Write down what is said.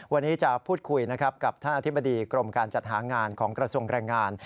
วันนี้จะพูดคุยนะครับกับท่านอธิบดีกรมการจัดหางานของกระทรวงแรงงาน